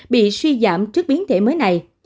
bị suy giảm trước biến thể mới này